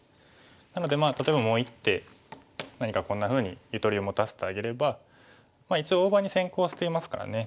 なので例えばもう一手何かこんなふうにゆとりを持たせてあげれば一応大場に先行していますからね。